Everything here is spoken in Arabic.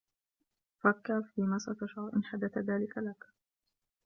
فكّر فيمَ ستشعر إن حدث ذلك لك.